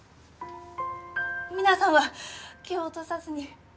皆さんは気を落とさずに。